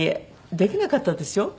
できなかったんですよ